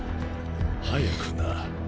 早くな。